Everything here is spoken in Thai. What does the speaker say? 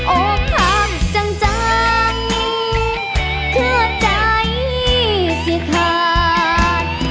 โอ้คามจังจังเครื่องใจสิขาด